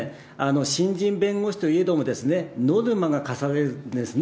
新人弁護士といえどもですね、ノルマが課されるんですね。